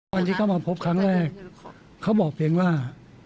วันที่เขามาพบครั้งแรกเขาบอกเพียงว่า